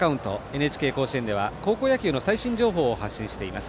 ＮＨＫ甲子園では高校野球の最新情報を発信しています。